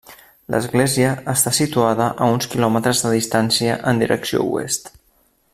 L'església està situada a uns quilòmetres de distància en direcció oest.